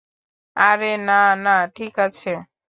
আরে না না, ঠিক আছে।